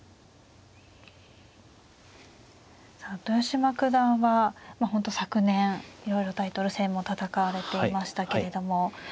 豊島九段は本当に昨年いろいろタイトル戦も戦われていましたけれども。